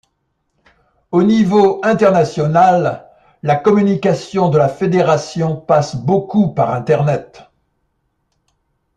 Au niveau international, la communication de la fédération passe beaucoup par internet.